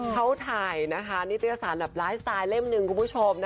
เขาถ่ายรายสไตล์รายสไตล์นึงกุคผู้ชม